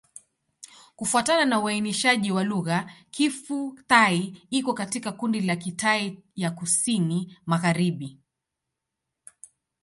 Kufuatana na uainishaji wa lugha, Kiphu-Thai iko katika kundi la Kitai ya Kusini-Magharibi.